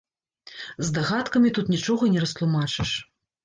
Здагадкамі тут нічога не растлумачыш.